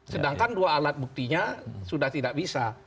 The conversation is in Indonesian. sedangkan dua alat buktinya sudah tidak bisa